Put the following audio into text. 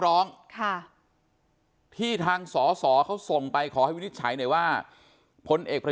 ร้องค่ะที่ทางสอสอเขาส่งไปขอให้วินิจฉัยหน่อยว่าพลเอกประ